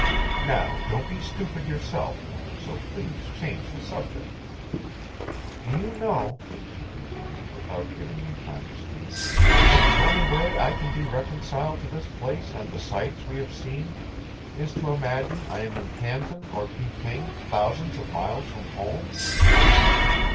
"Now don't be stupid yourself, so please change the subject. Do you know," she continued without giving me time to speak, "that the only way I can be reconciled to this place and the sights we have seen is to imagine I am in Canton or Peking, thousands of miles from home?